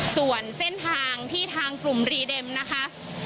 ส่วนเส้นทางที่ทางกลุ่มรีเด็มนะคะ